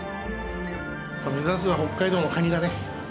目指すは北海道のカニだね。